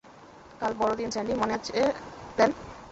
কাল বড় দিন স্যান্ডি, মনে আছে প্ল্যান?